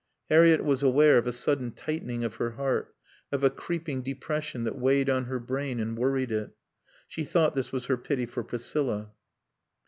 Harriett was aware of a sudden tightening of her heart, of a creeping depression that weighed on her brain and worried it. She thought this was her pity for Priscilla.